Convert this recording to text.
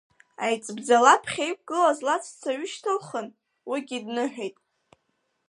Аиҵбӡа лаԥхьа иқәгылаз лаҵәца ҩышьҭылхын, уигьы дныҳәеит…